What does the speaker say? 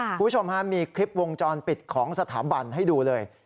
คุณผู้ชมฮะมีคลิปวงจรปิดของสถาบันให้ดูเลย